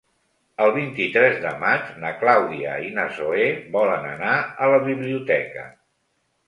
El vint-i-tres de maig na Clàudia i na Zoè volen anar a la biblioteca.